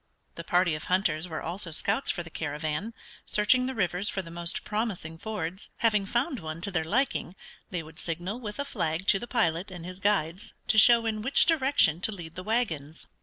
The party of hunters were also scouts for the caravan, searching the rivers for the most promising fords. Having found one to their liking, they would signal with a flag to the pilot and his guides to show in which direction to lead the wagons.